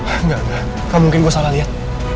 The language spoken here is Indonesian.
enggak enggak mungkin gue salah liat